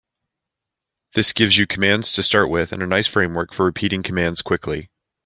This gives you commands to start with and a nice framework for repeating commands quickly.